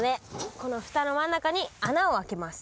この蓋の真ん中に穴を開けます。